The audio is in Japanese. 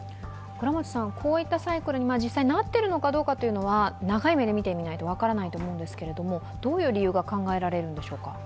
こういったサイクルに実際なっているのかどうかというのは、長い目で見てみないと分からないと思うんですけど、どういう理由が考えられるんでしょうか？